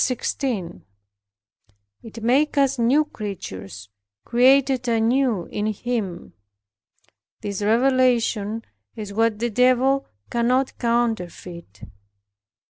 It makes us new creatures, created anew in Him. This revelation is what the Devil cannot counterfeit.